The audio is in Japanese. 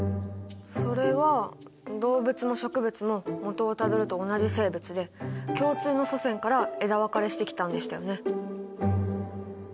それは動物も植物ももとをたどると同じ生物で共通の祖先から枝分かれしてきたんでしたよね？